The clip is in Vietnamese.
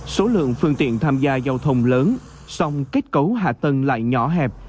số lượng phương tiện tham gia giao thông lớn song kết cấu hạ tầng lại nhỏ hẹp